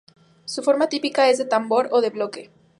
Su forma típica es de tambor o de bloque.